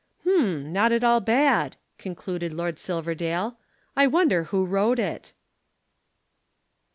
"Hum! Not at all bad," concluded Lord Silverdale. "I wonder who wrote it."